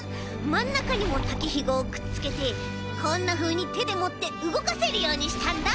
まんなかにもたけひごをくっつけてこんなふうにてでもってうごかせるようにしたんだ。